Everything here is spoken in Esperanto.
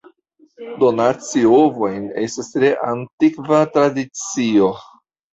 Donaci ovojn estas tre antikva tradicio.